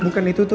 bukan itu tuh